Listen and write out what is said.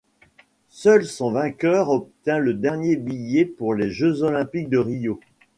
Seul son vainqueur obtient le dernier billet pour les Jeux olympiques de Rio.